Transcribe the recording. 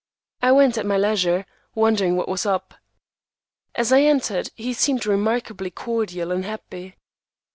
I went at my leisure, wondering what was up. As I entered, he seemed remarkably cordial and happy.